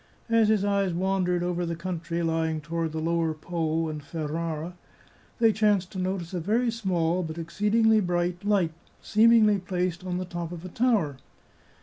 As his eyes wandered over the country lying to ward the lower Po and Ferrara, they chanced to notice a very small, but exceedingly bright, light, seemingly placed on the top of a tower.